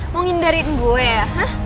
mau ngindarin gue ya